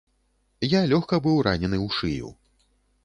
Я лёгка быў ранены ў шыю.